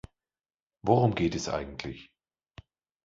Worum geht es eigentlich?